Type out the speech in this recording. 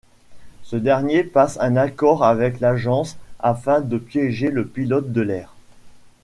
Ce dernier passe un accord avec l'agence afin de piéger le pilote de l'air.